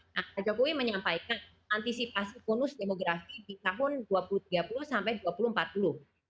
nah pak jokowi menyampaikan antisipasi bonus demografi di tahun dua ribu tiga puluh sampai dua ribu empat puluh